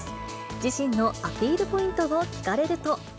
自身のアピールポイントを聞かれると。